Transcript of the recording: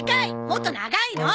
もっと長いの！